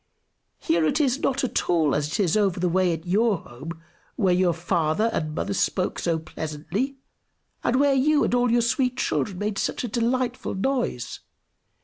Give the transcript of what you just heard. Here it is not at all as it is over the way at your home, where your father and mother spoke so pleasantly, and where you and all your sweet children made such a delightful noise.